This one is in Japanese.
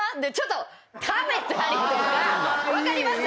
分かります？